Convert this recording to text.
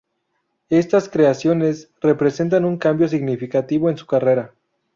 Estas creaciones representan un cambio significativo en su carrera.